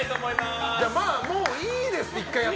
まあ、もういいですって。